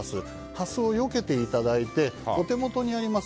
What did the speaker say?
ハスをよけていただいてお手元にあります